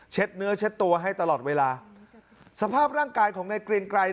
เนื้อเช็ดตัวให้ตลอดเวลาสภาพร่างกายของในเกรียงไกร